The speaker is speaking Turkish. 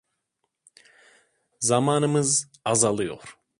Zamanımız azalıyor.